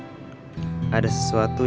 ada sesuatu yang diperlukan gue